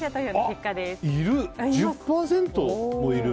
１０％もいる！